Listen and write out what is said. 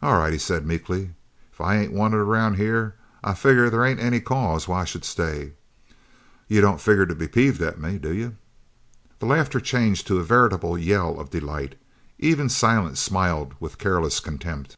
"All right," he said meekly, "if I ain't wanted around here I figger there ain't any cause why I should stay. You don't figger to be peeved at me, do you?" The laughter changed to a veritable yell of delight. Even Silent smiled with careless contempt.